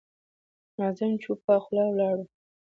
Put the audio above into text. ناظم چوپه خوله ولاړ و.